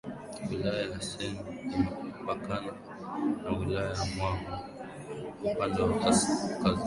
wilaya ya same imepakana na wilaya ya mwanga upande wa kazkazini